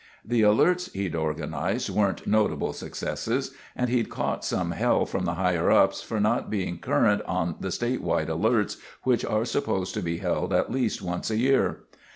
The alerts he'd organized weren't notable successes, and he'd caught some hell from the higher ups for not being current on the state wide alerts which are supposed to be held at least once a year.